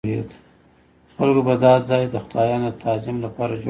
خلکو به دا ځای د خدایانو د تعظیم لپاره جوړاوه.